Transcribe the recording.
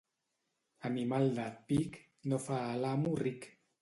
Animal de «pic» no fa a l'amo ric.